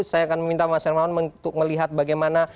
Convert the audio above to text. saya akan meminta mas hermawan untuk melihat bagaimana